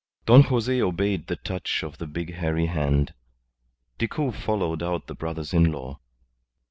Don Jose obeyed the touch of the big hairy hand. Decoud followed out the brothers in law.